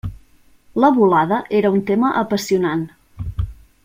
La volada era un tema apassionant.